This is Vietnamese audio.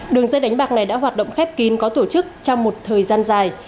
đường dây đánh bạc này đã hoạt động khép kín có tổ chức trong một thời gian dài